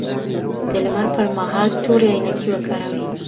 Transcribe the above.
د لمر پر مهال تورې عینکې وکاروئ.